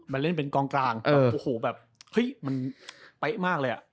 มาเล่นเป็นกลางแบบมันไปมากเลยอะ